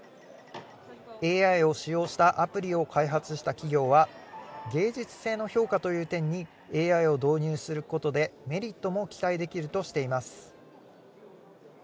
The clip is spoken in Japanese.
ＡＩを使用したアプリを開発した企業は、芸術性の評価という点にＡＩを導入することで、メリットも期待できるとしています。